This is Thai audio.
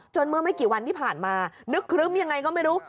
เมื่อไม่กี่วันที่ผ่านมานึกครึ้มยังไงก็ไม่รู้